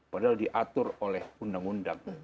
padahal diatur oleh undang undang